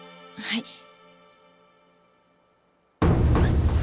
はい。